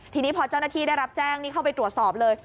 ทีนี้พอเจ้าหน้าที่ได้รับแจ้งนี่เข้าไปตรวจสอบเลย